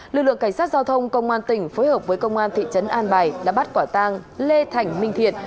lực lượng cảnh sát giao thông công an tỉnh phối hợp với công an thị trấn an bài đã bắt quả tang lê thành minh thiện